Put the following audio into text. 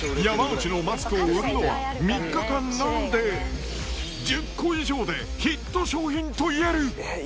山内のマスクを売るのは、３日間なので、１０個以上でヒット商品といえる。